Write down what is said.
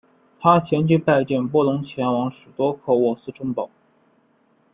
他前去拜见波隆前往史铎克渥斯城堡。